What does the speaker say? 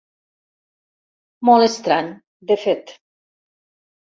Molt estrany, de fet.